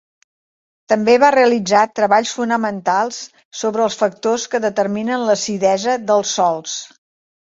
També va realitzar treballs fonamentals sobre els factors que determinen l'acidesa dels sòls.